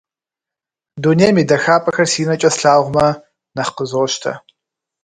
Дунейм и дахапӀэхэр си нэкӀэ слъагъумэ, нэхъ къызощтэ.